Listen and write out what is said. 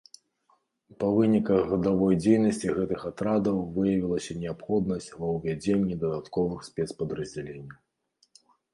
Па выніках гадавой дзейнасці гэтых атрадаў выявілася неабходнасць ва ўвядзенні дадатковых спецпадраздзяленняў.